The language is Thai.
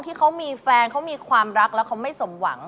ที่เขามีแฟนเขามีความรักแล้วเขาไม่สมหวัง